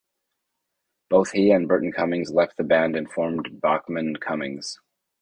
Both he and Burton Cummings left the band and formed Bachman Cummings.